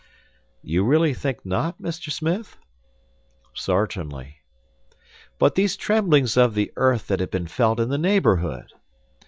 "You really think not, Mr. Smith?" "Certainly." "But these tremblings of the earth that have been felt in the neighborhood!"